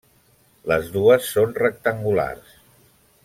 Les dues són rectangulars.